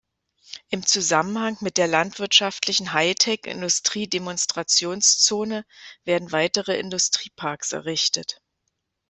Im Zusammenhang mit der Landwirtschaftlichen High-Tech-Industrie-Demonstrationszone werden weitere Industrieparks errichtet.